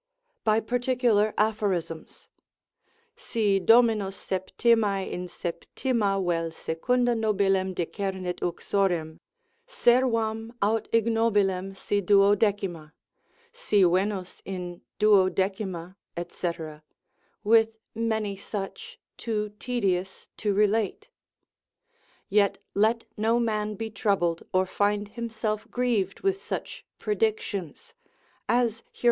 by particular aphorisms, Si dominus 7mae in 7ma vel secunda nobilem decernit uxorem, servam aut ignobilem si duodecima. Si Venus in 12ma, &c., with many such, too tedious to relate. Yet let no man be troubled, or find himself grieved with such predictions, as Hier.